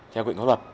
theo quyền pháp luật